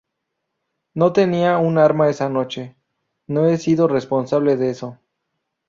No tenía un arma esa noche, no he sido responsable de eso".